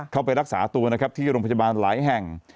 เข้าไปรักษาตัวนะครับที่โรงพยาบาลหลายแห่ง